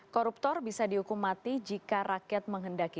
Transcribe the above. koruptor bisa dihukum mati jika rakyat menghendaki